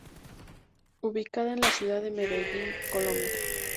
Ubicada en la ciudad de Medellín, Colombia.